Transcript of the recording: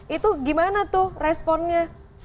itu gimana tuh responnya